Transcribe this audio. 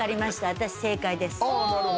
私、正解です。